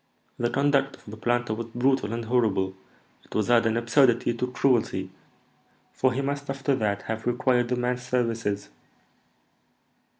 "The conduct of the planter was brutal and horrible; it was adding absurdity to cruelty, for he must after that have required the man's services."